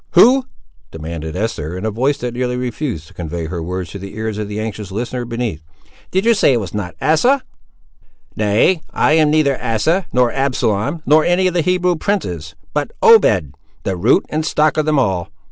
"Who?" demanded Esther, in a voice that nearly refused to convey her words to the ears of the anxious listener beneath. "Did you say it was not Asa?" "Nay, I am neither Asa, nor Absalom, nor any of the Hebrew princes, but Obed, the root and stock of them all.